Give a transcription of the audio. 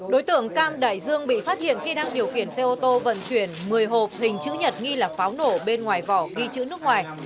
đối tượng cam đại dương bị phát hiện khi đang điều khiển xe ô tô vận chuyển một mươi hộp hình chữ nhật nghi là pháo nổ bên ngoài vỏ ghi chữ nước ngoài